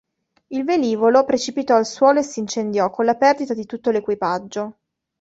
Il velivolo precipitò al suolo e si incendiò con la perdita di tutto l'equipaggio.